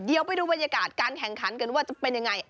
เดี๋ยวไปดูบรรยากาศการแข่งขันกันว่าจะเป็นยังไง